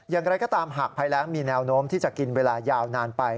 อย่างไรก็ตามหากภัยแรงมีแนวโน้มที่จะกินเวลายาวนานไป